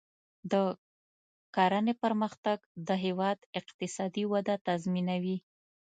د کرنې پرمختګ د هیواد اقتصادي وده تضمینوي.